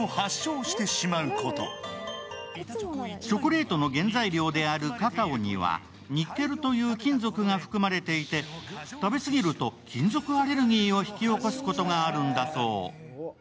チョコレートの原材料であるカカオにはニッケルという金属が含まれていて、食べすぎると金属アレルギーを引き起こすことがあるんだそう。